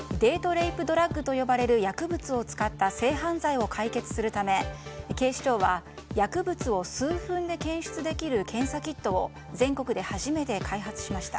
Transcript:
レイプドラッグと呼ばれる薬物を使った性犯罪を解決するため、警視庁は薬物を数分で検出できる検査キットを全国で初めて開発しました。